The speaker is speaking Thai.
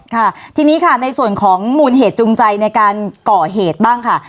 ค่ะทีนี้ค่ะในส่วนของมูลเหตุจูงใจในการก่อเหตุบ้างค่ะ